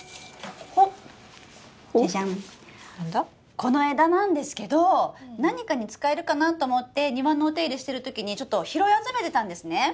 この枝なんですけど何かに使えるかなと思って庭のお手入れしてる時にちょっと拾い集めてたんですね。